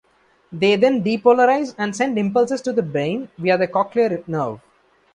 They then depolarise and send impulses to the brain via the cochlear nerve.